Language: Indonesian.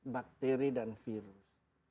bakteri dan virus